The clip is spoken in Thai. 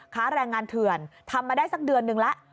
แรงงานเถื่อนทำมาได้สักเดือนนึงแล้ว